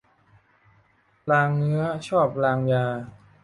ลางเนื้อชอบลางยา